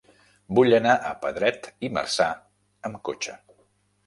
Vull anar a Pedret i Marzà amb cotxe.